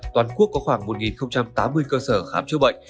toàn quốc có khoảng một tám mươi cơ sở khám chữa bệnh